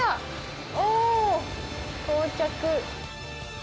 おー、到着。